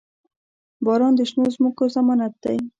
• باران د شنو ځمکو ضمانت دی.